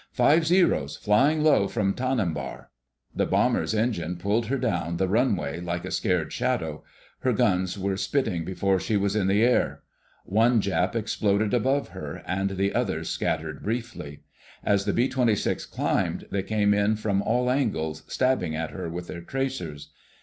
"Five Zeros, flying low from Tanimbar." The bomber's engine pulled her down the runway like a scared shadow. Her guns were spitting before she was in the air. One Jap exploded above her, and the others scattered briefly. As the B 26 climbed, they came in from all angles, stabbing at her with their tracers.